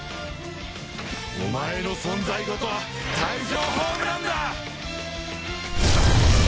お前の存在ごと退場ホームランだ！